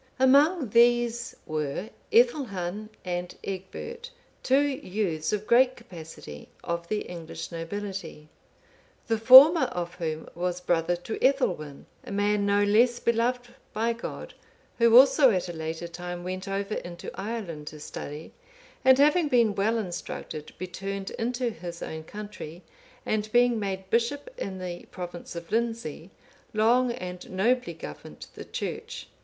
Among these were Ethelhun and Egbert,(488) two youths of great capacity, of the English nobility. The former of whom was brother to Ethelwin,(489) a man no less beloved by God, who also at a later time went over into Ireland to study, and having been well instructed, returned into his own country, and being made bishop in the province of Lindsey, long and nobly governed the Church.